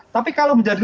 tapi kalau menjadi lima